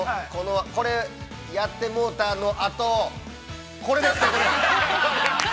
これ、やってもうたのあと、これですこれ！